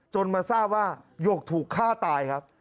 มาทราบว่าหยกถูกฆ่าตายครับ